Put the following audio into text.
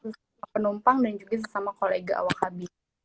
sama penumpang dan juga sama kolega awal kabin